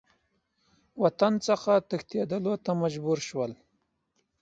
وطن څخه تښتېدلو ته مجبور شول.